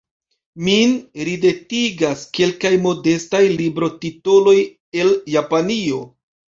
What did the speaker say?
Min ridetigas kelkaj modestaj librotitoloj el Japanio.